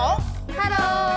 ハロー！